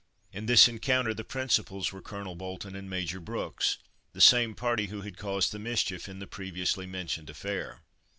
In this encounter the principals were Colonel Bolton and Major Brooks, the same party who had caused the mischief in the previously mentioned affair.